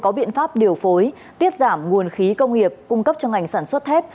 có biện pháp điều phối tiết giảm nguồn khí công nghiệp cung cấp cho ngành sản xuất thép